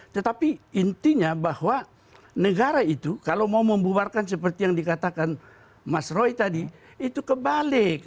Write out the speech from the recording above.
tetapi intinya bahwa negara itu kalau mau membubarkan seperti yang dikatakan mas roy tadi itu kebalik